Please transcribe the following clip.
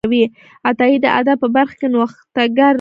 عطایي د ادب په برخه کې نوښتګر و.